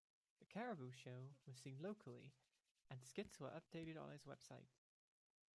The Caribou Show was seen locally, and skits were updated on its website.